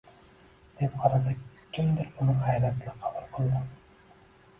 deb qarasa, kimdir buni hayrat-la qabul qildi